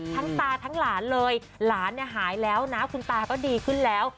ตาทั้งหลานเลยหลานเนี่ยหายแล้วนะคุณตาก็ดีขึ้นแล้ว